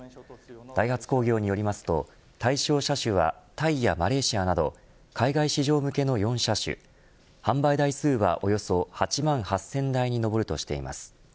ダイハツ工業によりますと対象車種はタイやマレーシアなど海外市場向けの４車種販売台数はおよそ８万８０００台に上るとしています。